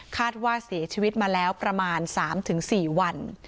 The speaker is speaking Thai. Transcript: คาดว่าเสียชีวิตมาแล้วประมาณ๓๔วัน